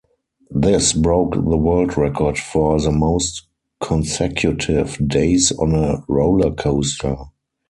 This broke the world record for the most consecutive days on a rollercoaster.